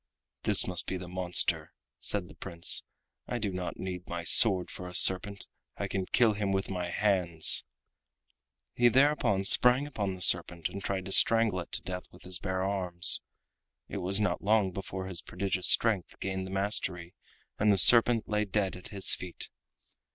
"This must be the monster," said the Prince; "I do not need my sword for a serpent. I can kill him with my hands." He thereupon sprang upon the serpent and tried to strangle it to death with his bare arms. It was not long before his prodigious strength gained the mastery and the serpent lay dead at his feet.